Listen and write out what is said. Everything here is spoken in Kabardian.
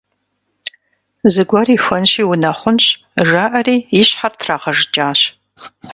«Зыгуэр ихуэнщи унэхъунщ», – жаӏэри, и щхьэр трагъэжыкӏащ.